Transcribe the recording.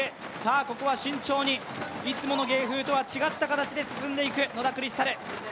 ここは慎重に、いつもの芸風とは違った形で進んでいく野田クリスタル。